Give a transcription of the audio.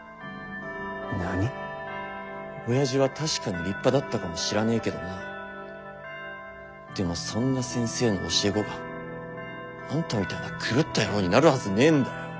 親父は確かに立派だったかもしらねえけどなでもそんな先生の教え子があんたみたいな狂った野郎になるはずねえんだよ。